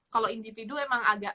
kalau individu emang agak